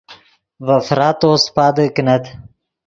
ڤے فراتو سیپادے کینت